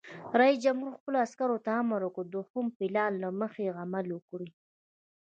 رئیس جمهور خپلو عسکرو ته امر وکړ؛ د دوهم پلان له مخې عمل وکړئ!